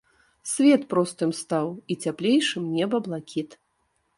Свет простым стаў і цяплейшым неба блакіт.